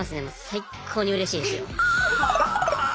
最高にうれしいですよ。